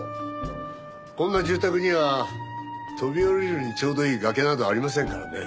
こんな住宅には飛び降りるのにちょうどいい崖などありませんからね。